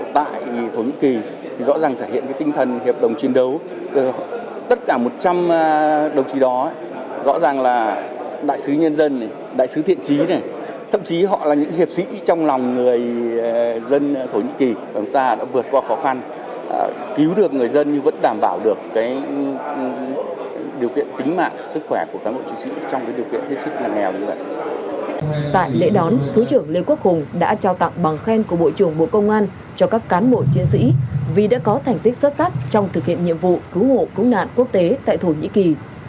tại lễ đón thủ trưởng lê quốc hùng đã trao tặng bằng khen của bộ trưởng bộ công an cho các cán bộ chiến sĩ vì đã có thành tích xuất sắc trong thực hiện nhiệm vụ cứu hộ cứu nạn quốc tế tại thổ nhĩ kỳ